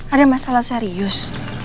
ada masalah serius